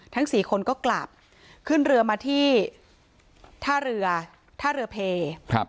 ทั้งสี่คนก็กลับขึ้นเรือมาที่ท่าเรือเพล